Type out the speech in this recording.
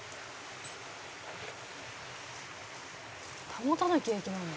「保たなきゃいけないの？」